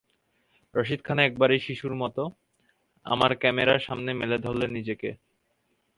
রশীদ খান একেবারে শিশুর মতো আমার ক্যামেরার সামনে মেলে ধরলেন নিজেকে।